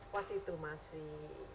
waktu itu masih